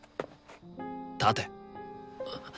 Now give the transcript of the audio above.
立て。